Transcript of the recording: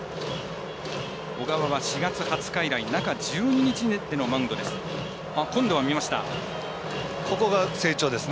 小川は４月２０日以来中１２日でのマウンドです。